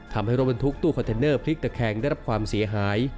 ทำให้รถบรรทุกตู้คอนเทนเนอร์พลิกตะแคงได้รับความเสียหาย